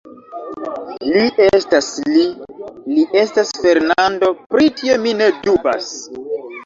Li estas Li; li estas Fernando; pri tio mi ne dubas.